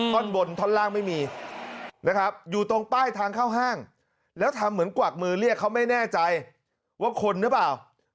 ท่อนบนท่อนล่างไม่มีนะครับอยู่ตรงป้ายทางเข้าห้างแล้วทำเหมือนกวักมือเรียกเขาไม่แน่ใจว่าคนหรือเปล่า